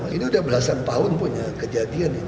ini udah belasan tahun punya kejadian ini